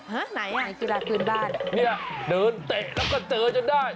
หึไหนน่ะนี่ล่ะเดินเตะแล้วก็เจอจะได้